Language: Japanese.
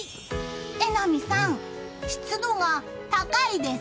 榎並さん、湿度が高いです。